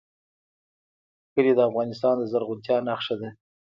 کلي د افغانستان د زرغونتیا نښه ده.